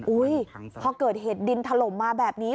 อุ๊ยเพราะเกิดเหตุดินถล่มมาแบบนี้